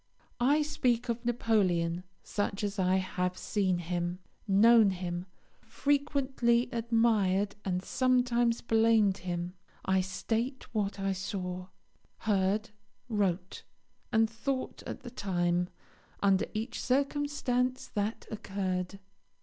I speak of Napoleon such as I have seen him, known him, frequently admired and sometimes blamed him. I state what I saw, heard, wrote, and thought at the time, under each circumstance that occurred.